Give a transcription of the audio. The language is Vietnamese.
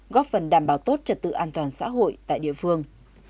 góp phần đảm bảo tốt trật tự an toàn xã hội tại địa phương